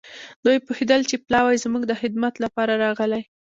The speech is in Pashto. دوی پوهېدل چې پلاوی زموږ د خدمت لپاره راغلی.